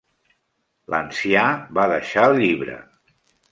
L'ancià va deixar el llibre.